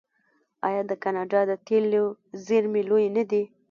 آیا د کاناډا د تیلو زیرمې لویې نه دي؟